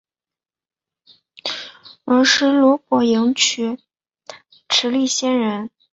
毗尸罗婆迎娶持力仙人。